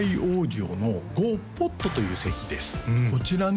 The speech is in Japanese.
こちらね